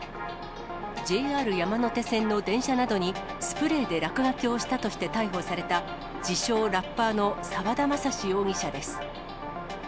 ＪＲ山手線の電車などにスプレーで落書きをしたとして逮捕された、自称ラッパーの沢田政嗣容疑者です。